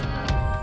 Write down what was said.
kita ke rumah